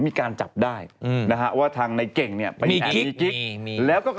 มีการจับได้อืม